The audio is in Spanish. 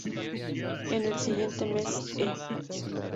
En el siguiente mes, E!